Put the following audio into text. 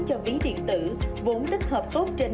cho ví điện tử vốn tích hợp tốt trên